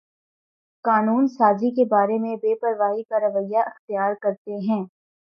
قانون سازی کے بارے میں بے پروائی کا رویہ اختیار کرتے ہیں